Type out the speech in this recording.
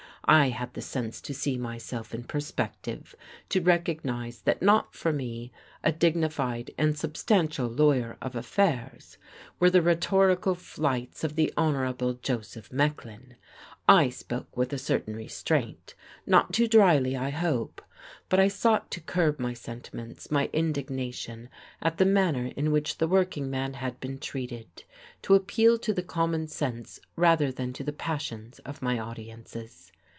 I had the sense to see myself in perspective; to recognize that not for me, a dignified and substantial lawyer of affairs, were the rhetorical flights of the Hon. Joseph Mecklin. I spoke with a certain restraint. Not too dryly, I hope. But I sought to curb my sentiments, my indignation, at the manner in which the working man had been treated; to appeal to the common sense rather than to the passions of my audiences.